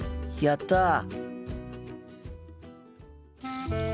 やった！